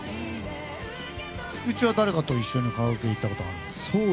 菊池は誰かと一緒にカラオケ行ったことあるの？